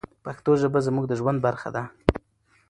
پښتو ژبه زموږ د ژوند برخه ده.